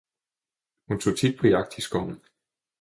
Hun tog tit på jagt i skoven.